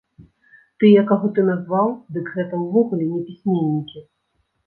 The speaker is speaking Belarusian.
Тыя, каго ты назваў, дык гэта ўвогуле не пісьменнікі.